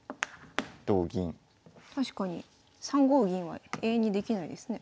確かに３五銀は永遠にできないですね。